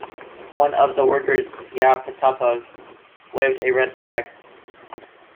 One of the workers - Ya.Potapov - waved a red flag.